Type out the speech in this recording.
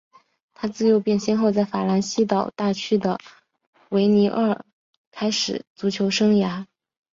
他自幼便先后在法兰西岛大区的维尼厄开始足球生涯。